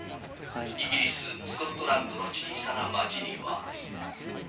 イギリス・スコットランドの小さな町には。